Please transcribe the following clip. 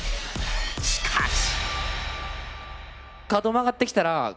しかし。